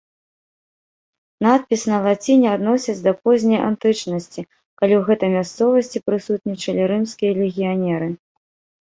Надпіс на лаціне адносяць да позняй антычнасці, калі ў гэтай мясцовасці прысутнічалі рымскія легіянеры.